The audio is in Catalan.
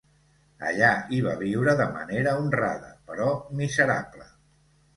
Allà hi va viure de manera honrada, però miserable.